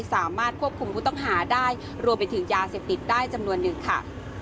สามารถควบคุมผู้ต้องหาได้รวมไปถึงยาเสพติดได้จำนวนหนึ่งค่ะ